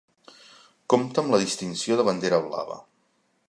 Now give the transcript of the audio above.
Compta amb la distinció de Bandera blava.